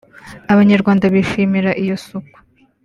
Abanyarwanda bishimira iyo suku